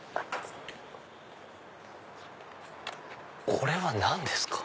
これは何ですか？